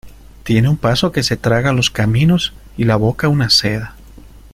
tiene un paso que se traga los caminos, y la boca una seda.